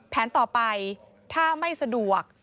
แผนต่อไปถ้าไม่สะดวก